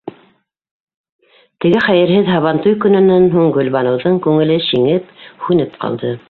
Теге хәйерһеҙ һабантуй көнөнән һуң Гөлбаныуҙың күңеле шиңеп, һүнеп ҡалды.